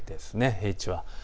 平地は。